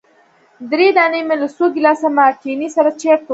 درې دانې مي له څو ګیلاسه مارټیني سره چټ وهل.